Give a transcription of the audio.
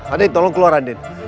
andin tolong keluar andin